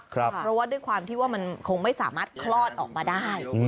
เพราะว่าด้วยความที่ว่ามันคงไม่สามารถคลอดออกมาได้